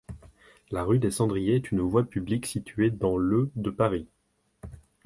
La rue des Cendriers est une voie publique située dans le de Paris.